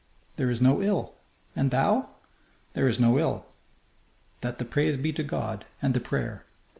"There is no ill. And thou?" "There is no ill. That the praise be to God, and the prayer!"